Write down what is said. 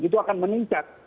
itu akan meningkat